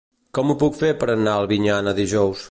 Com ho puc fer per anar a Albinyana dijous?